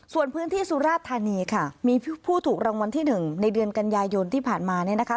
ส่วนพื้นที่สุราธานีค่ะมีผู้ถูกรางวัลที่หนึ่งในเดือนกันยายนที่ผ่านมาเนี่ยนะคะ